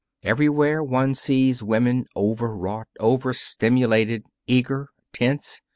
Everywhere one sees women over wrought, over stimulated, eager, tense.